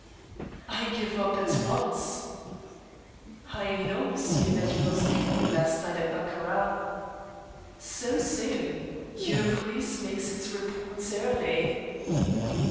..."" I give up at once." " I know, monsieur, that you lost heavily last night at baccarat." " So soon ? Your police makes its report early."